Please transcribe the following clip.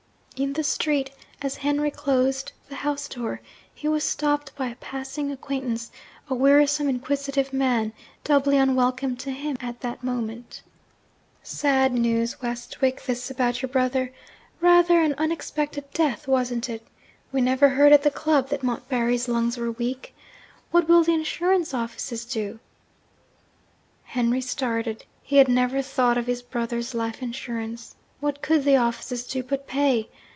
In the street, as Henry closed the house door, he was stopped by a passing acquaintance a wearisome inquisitive man doubly unwelcome to him, at that moment. 'Sad news, Westwick, this about your brother. Rather an unexpected death, wasn't it? We never heard at the club that Montbarry's lungs were weak. What will the insurance offices do?' Henry started; he had never thought of his brother's life insurance. What could the offices do but pay?